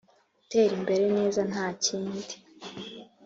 'gutera imbere neza!' nta kindi,